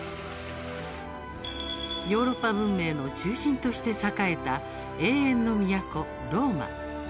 ヨーロッパ文明の中心として栄えた永遠の都、ローマ。